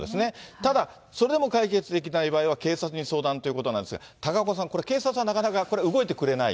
ただ、それでも解決できない場合は、警察に相談ということなんですが、高岡さん、これ、警察はなかなか動いてくれない？